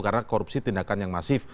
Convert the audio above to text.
karena korupsi tindakan yang masif